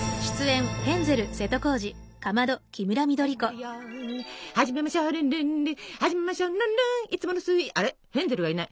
ヘンゼルがいない。